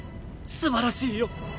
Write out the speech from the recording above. すばらしいよ。